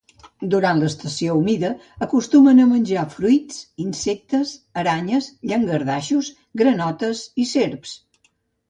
Durant l'estació humida acostumen a menjar fruits, insectes, aranyes, llangardaixos, granotes i serps.